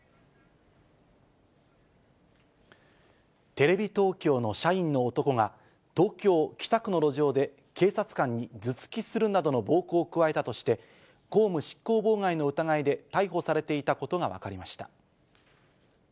テレビ東京の社員の男が、東京・北区の路上で警察官に頭突きするなどの暴行を加えたとして、公務執行妨害の疑いで逮捕されていたことが分かりました。